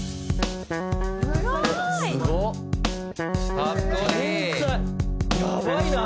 すごーい！